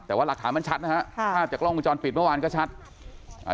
แต่ว่าหลักฐานมันชัดนะฮะค่ะภาพจากกล้องวงจรปิดเมื่อวานก็ชัดอ่า